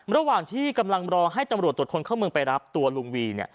ระหว่างที่กำลังรอให้ตำรวจตรวจคนเข้าเมืองไปรับตัวลุงวี